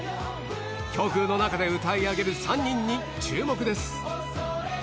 強風の中で歌い上げる３人に注目です。